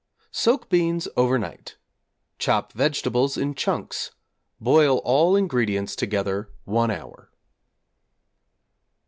Soak beans overnight; chop vegetables in chunks; boil all ingredients together 1 hour.